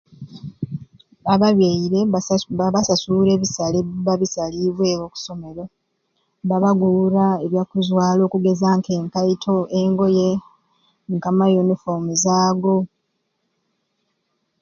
Ababyaire basasu babasasura ebisale ebibba bisaliibwewo oku somero, babaguura ebizwaaro okugeza k'enkaito, engoye ka mayunifoomuzi ago.